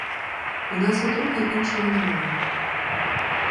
У нас у трупі іншого немає.